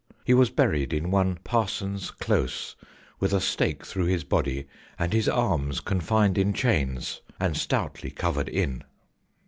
He was buried in one Parson's Close with a stake through his body and his arms confined in chains, and stoutly covered in."